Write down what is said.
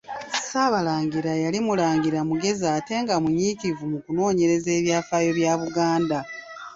Ssaabalangira yali Mulangira mugezi ate nga munyiikivu mu kunoonyereza ebyafaayo bya Buganda.